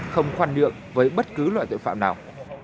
không khoan nhượng với bất cứ loại tội phạm nào